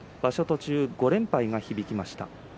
途中５連敗が響きました。